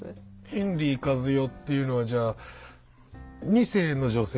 ヘンリーカズヨっていうのはじゃあ２世の女性？